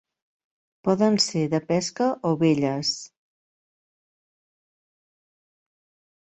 Poden ser de pesca o belles.